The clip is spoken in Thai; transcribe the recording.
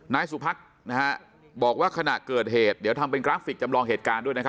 นายสุพักนะฮะบอกว่าขณะเกิดเหตุเดี๋ยวทำเป็นกราฟิกจำลองเหตุการณ์ด้วยนะครับ